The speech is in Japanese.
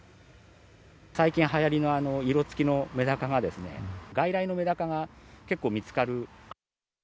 最近、はやりの色付きのメダカがですね、外来のメダカが結構見つかる。